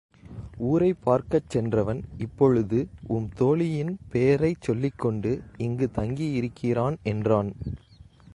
ஊரைப் பார்க்கச் சென்றவன் இப்பொழுது உம் தோழியின் பேர்ைச் சொல்லிக் கொண்டு இங்குத் தங்கி இருக்கிறான் என்றான்.